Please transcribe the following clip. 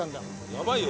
やばいよ。